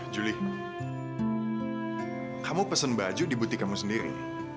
julie kamu pesen baju di butik kamu sendiri